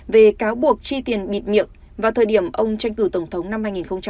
về cáo buộc chi tiền bịt miệng vào thời điểm ông tranh cử tổng thống năm hai nghìn một mươi sáu